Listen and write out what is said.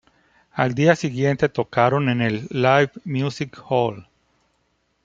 Al día siguiente tocaron en el Live Music Hall.